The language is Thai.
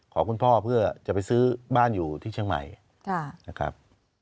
คุณพ่อเพื่อจะไปซื้อบ้านอยู่ที่เชียงใหม่นะครับ